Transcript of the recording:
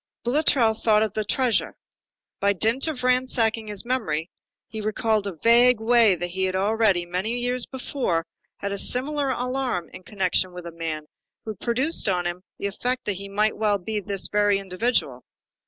Boulatruelle thought of the treasure. By dint of ransacking his memory, he recalled in a vague way that he had already, many years before, had a similar alarm in connection with a man who produced on him the effect that he might well be this very individual.